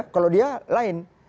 kalau dia lain